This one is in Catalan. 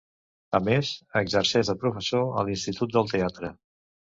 A més, exerceix de professor a l'Institut del Teatre.